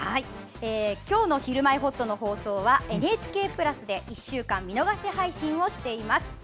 今日の「ひるまえほっと」の放送は「ＮＨＫプラス」で１週間見逃し配信をしています。